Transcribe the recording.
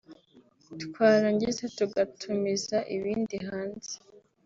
twarangiza tugakatumiza ibindi hanze